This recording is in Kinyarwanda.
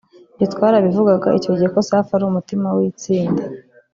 Ibyo twarabivugaga icyo gihe ko Safi ari umutima w’itsinda